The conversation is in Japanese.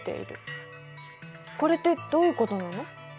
これってどういうことなの？